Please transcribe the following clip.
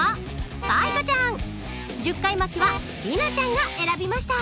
１０回巻きは里奈ちゃんが選びました。